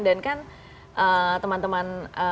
dan kan teman teman